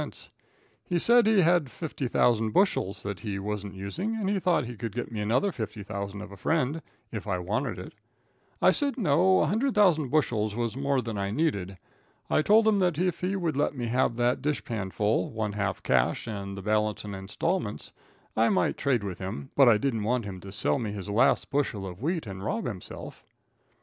He said he had 50,000 bushels that he wasn't using, and he thought he could get me another 50,000 of a friend, if I wanted it. I said no, 100,000 bushels was more than I needed. I told him that if he would let me have that dishpan full, one half cash and the balance in installments, I might trade with him, but I didn't want him to sell me his last bushel of wheat and rob himself.